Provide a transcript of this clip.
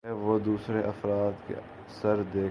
کہہ وہ دوسر افراد کے ثر دیکھ سکہ